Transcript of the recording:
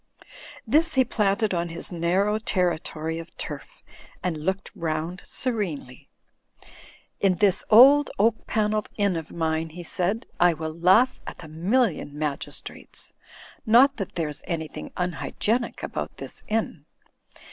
This he planted on his narrow territory of turf and looked round serenely. "In this old oak panelled inn of mine," he said, "I Tvill laugh at a million magistrates. Not that there's anything unhygienic about this inn.